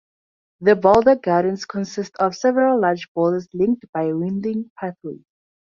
The boulder gardens consist of several large boulders linked by winding pathways.